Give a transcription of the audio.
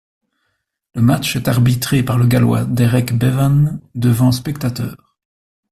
Le match est arbitré par le Gallois Derek Bevan devant spectateurs.